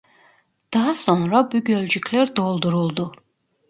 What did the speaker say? Daha sonra bu gölcükler dolduruldu.